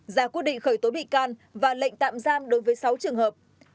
ra quyết định khởi tố bị can và lệnh tạm giam đối với sáu trường hợp